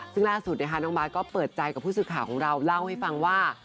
ซึ่งล่าสุดนะคะน้องบาทก็เปิดใจกับผู้สื่อข่าวของเราเล่าให้ฟังว่า